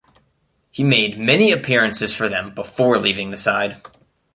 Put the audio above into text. He made many appearances for them before leaving the side.